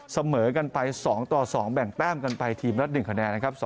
เสมอกันไป๒ต่อ๒แบ่งแต้มกันไปทีมละ๑คะแนนนะครับ